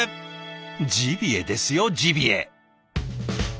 ジビエですよジビエ！